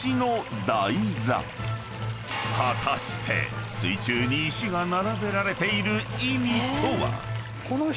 ［果たして水中に石が並べられている意味とは⁉］